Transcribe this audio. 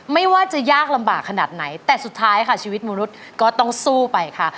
ไม่ว่าจะยากลำบากขนาดไหนแต่สุดท้ายค่ะชีวิตมนุษย์ก็ต้องสู้ไปค่ะ